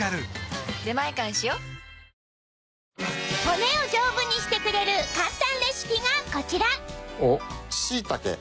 骨を丈夫にしてくれる簡単レシピがこちら